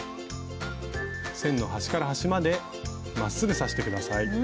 線の端から端までまっすぐ刺して下さい。